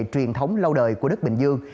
truyền thống lâu đời của đất bình dương